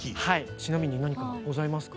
ちなみに何かございますか？